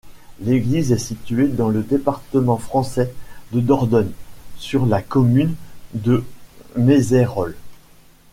L'église est située dans le département français de Dordogne, sur la commune de Mazeyrolles.